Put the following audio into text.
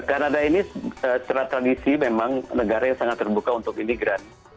kanada ini secara tradisi memang negara yang sangat terbuka untuk imigran